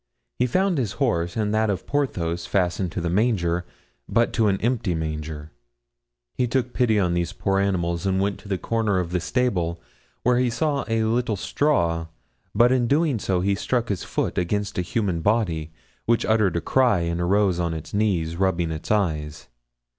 He found his horse and that of Porthos fastened to the manger, but to an empty manger. He took pity on these poor animals and went to a corner of the stable, where he saw a little straw, but in doing so he struck his foot against a human body, which uttered a cry and arose on its knees, rubbing its eyes.